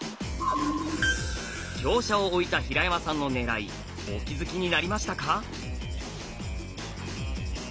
香車を置いた平山さんのねらいお気付きになりましたか？